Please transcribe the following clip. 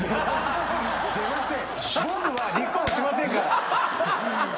出ません。